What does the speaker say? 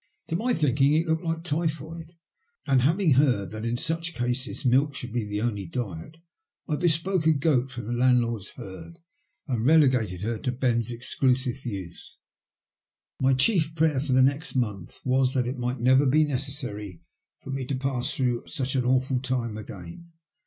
To my thinking it looked like typhoid, and having heard that in such cases milk should be the only diet, I bespoke a goat from the landlord*s herd and relegated her to Ben's exclusive use. My chief prayer for the next month was that it might never be necessary for me to pass through such an awful time again.